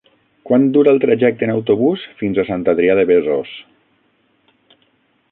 Quant dura el trajecte en autobús fins a Sant Adrià de Besòs?